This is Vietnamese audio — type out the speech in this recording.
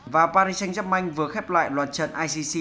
và paris saint germain vừa khép lại loạt trận icc